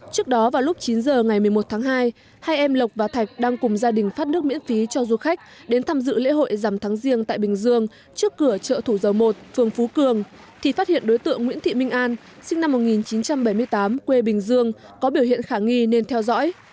trước đó vào lúc chín giờ ngày một mươi một tháng hai hai em lộc và thạch đang cùng gia đình phát nước miễn phí cho du khách đến tham dự lễ hội dằm tháng riêng tại bình dương trước cửa chợ thủ dầu một phường phú cường thì phát hiện đối tượng nguyễn thị minh an sinh năm một nghìn chín trăm bảy mươi tám quê bình dương có biểu hiện khả nghi nên theo dõi